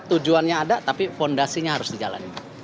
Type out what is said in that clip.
tujuannya ada tapi fondasinya harus dijalankan